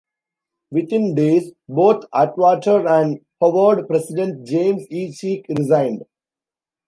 Within days, both Atwater and Howard President James E. Cheek resigned.